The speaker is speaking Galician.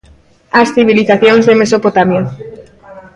As civilizacións de Mesopotamia.